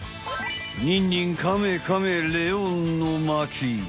ニンニンカメカメレオンのまき！